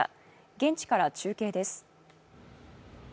現地から中継です。